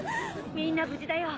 みんな無事だよ。